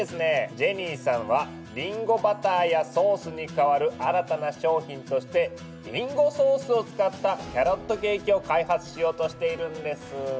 ジェニーさんはリンゴバターやソースに代わる新たな商品としてリンゴソースを使ったキャロットケーキを開発しようとしているんです。